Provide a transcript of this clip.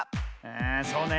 あそうね。